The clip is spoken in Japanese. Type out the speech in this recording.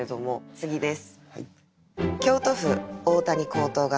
次です。